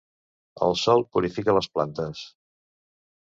El sol purifica les plantes.